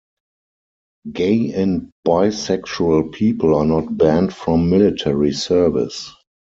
Gay and bisexual people are not banned from military service.